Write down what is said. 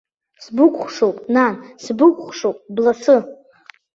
Сбыкәхшоуп, нан, сбыкәхшоуп, бласы.